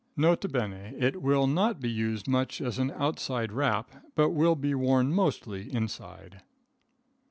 N.B. It will not be used much as an outside wrap, but will be worn mostly inside.